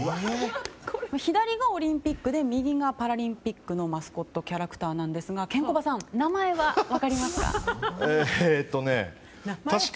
左がオリンピックで右がパラリンピックのマスコットキャラクターですがケンコバさん、名前は分かりますか？